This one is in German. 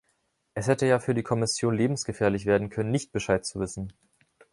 Es hätte ja für die Kommission lebensgefährlich werden können, nicht Bescheid zu wissen.